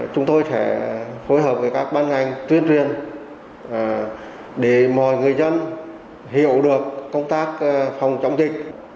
chúng tôi sẽ phối hợp với các ban ngành tuyên truyền để mọi người dân hiểu được công tác phòng chống dịch